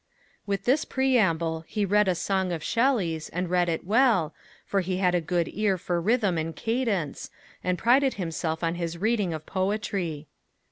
With this preamble, he read a song of Shelley's, and read it well, for he had a good ear for rhythm and cadence, and prided himself on his reading of poetry.